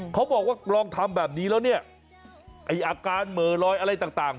เขาบอกว่าลองทำแบบนี้แล้วอาการเหมือนลอยอะไรต่าง